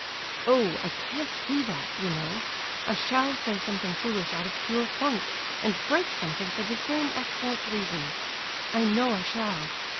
"Oh, I can't do that, you know! I shall say something foolish out of pure 'funk,' and break something for the same excellent reason; I know I shall.